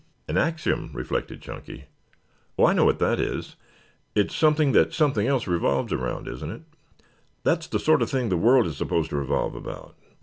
"An axiom?" reflected Chunky. "Oh, I know what that is. It is something that something else revolves around, isn't it? That's the sort of thing the world is supposed to revolve about.